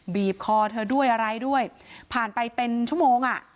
บีบคอเธอด้วยอะไรด้วยผ่านไปเป็นชั่วโมงอ่ะ